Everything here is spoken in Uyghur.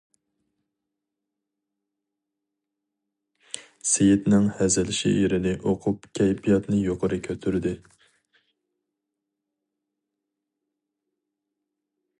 سېيىتنىڭ ھەزىل شېئىرىنى ئوقۇپ كەيپىياتنى يۇقىرى كۆتۈردى.